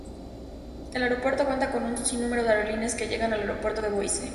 El aeropuerto cuenta con un sinnúmero de aerolíneas que llegan al aeropuerto de Boise.